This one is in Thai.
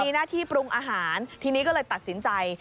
มีหน้าที่ปรุงอาหารทีนี้ก็เลยตัดสินใจ